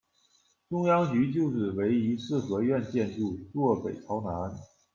中央局旧址为一四合院建筑，坐北朝南。